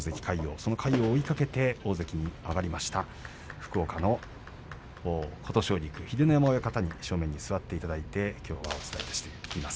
その魁皇、大関を追いかけて大関に上がりました福岡の琴奨菊秀ノ山親方に正面に座っていただいて、きょうはお伝えしています。